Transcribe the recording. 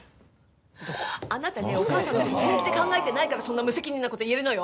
あなたねお母さんのこと本気で考えてないからそんな無責任なこと言えるのよ。